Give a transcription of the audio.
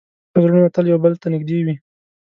ښه زړونه تل یو بل ته نږدې وي.